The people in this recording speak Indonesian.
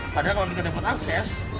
padahal kalau kita dapat akses